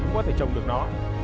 có thể trồng được nó